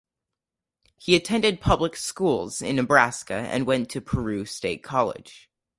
He attended public schools in Nebraska and went to Peru State College.